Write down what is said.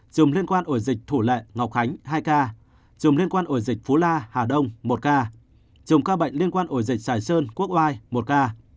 chùm liên quan ổ dịch thủ lệ ngọc khánh hai ca chùm liên quan ổ dịch phú la hà đông một ca chùm ca bệnh liên quan ổ dịch sài sơn quốc oai một ca